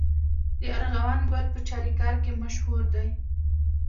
د ارغوان ګل په چاریکار کې مشهور دی.